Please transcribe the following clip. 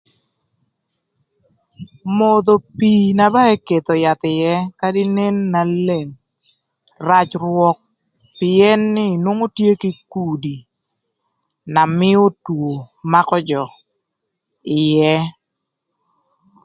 Modho pii na ba eketho yath ïë kadï nen na leng rac rwök pïën nï nwongo tye kï kudi na mïö two makö jö ïë.